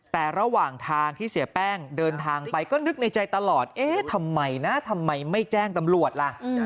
แต่ระหว่างทางที่เสียแป้งเดินทางไปก็นึกในใจตลอดเอ๊ะทำไมนะทำไมไม่แจ้งตำรวจล่ะ